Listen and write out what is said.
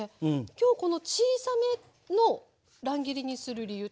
今日この小さめの乱切りにする理由ってあるんですか？